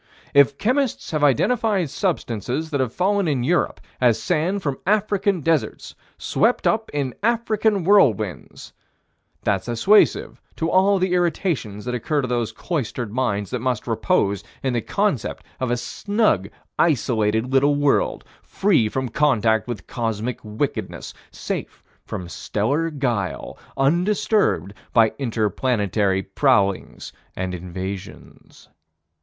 If chemists have identified substances that have fallen in Europe as sand from African deserts, swept up in African whirlwinds, that's assuasive to all the irritations that occur to those cloistered minds that must repose in the concept of a snug, isolated, little world, free from contact with cosmic wickednesses, safe from stellar guile, undisturbed by inter planetary prowlings and invasions.